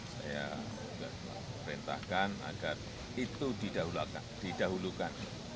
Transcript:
saya perintahkan agar itu didahulukan